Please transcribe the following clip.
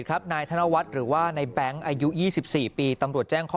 คืออายุ๑๕ปีเอง